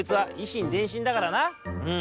うん？